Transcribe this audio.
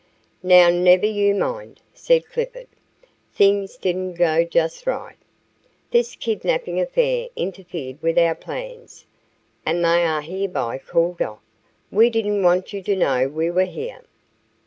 "Now, never you mind," said Clifford. "Things didn't go just right. This kidnapping affair interfered with our plans, and they are hereby called off. We didn't want you to know we were here."